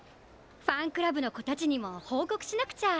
ファンクラブのこたちにもほうこくしなくちゃ。